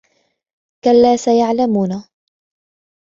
كلا سيعلمون